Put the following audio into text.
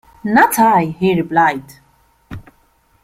‘Not I!’ he replied.